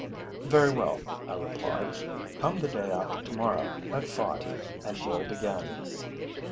'Very well,' I replied. 'Come the day after tomorrow, at five, and we'll begin.'